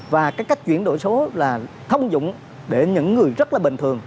và cái cách chuyển đổi số là thông dụng để những người rất là bình thường